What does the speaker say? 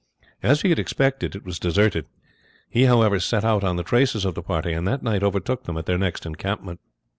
As he had expected, it was deserted; he, however, set out on the traces of the party, and that night overtook them at their next encampment.